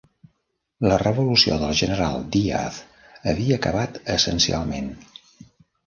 La revolució del general Diaz havia acabat essencialment.